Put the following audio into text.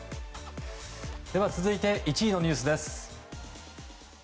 続いて１位のニュースです。